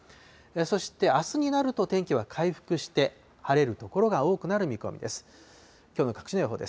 そしてあすになると天気は回復して、晴れる所が多くなる見込みです。